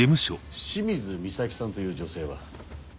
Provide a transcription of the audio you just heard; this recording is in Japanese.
清水ミサキさんという女性は？